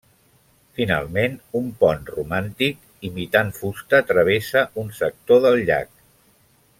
Finalment, un pont romàntic imitant fusta travessa un sector del llac.